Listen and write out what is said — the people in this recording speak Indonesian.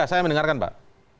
ya saya mendengarkan pak